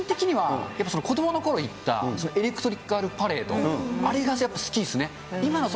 ただ個人的には、子どものころ行ったエレクトリカルパレード、あれがやっぱり好きですね。